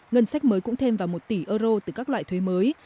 ngân sách mới cũng thêm vào một tỷ euro từ các loại thuế mới